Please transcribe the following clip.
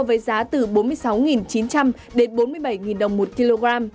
với giá từ bốn mươi sáu chín trăm linh đến bốn mươi bảy đồng một kg